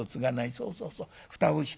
そうそうそう蓋をして。